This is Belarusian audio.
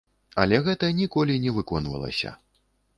Але гэта ніколі не выконвалася.